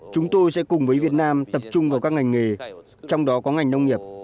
chúng tôi sẽ cùng với việt nam tập trung vào các ngành nghề trong đó có ngành nông nghiệp